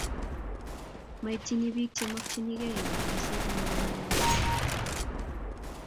maityini biik chemokyinigei konyoiset eng nyumnyumindo